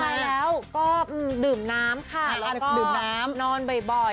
กูตายแล้วก็ดื่มน้ำค่ะแล้วก็นอนบ่อย